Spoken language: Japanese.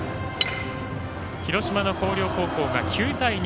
広島の広陵高校が９対２